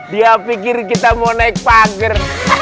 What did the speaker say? dia pikir kita mau naik pagar